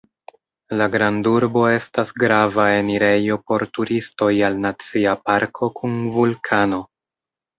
La grandurbo estas grava enirejo por turistoj al Nacia parko kun vulkano.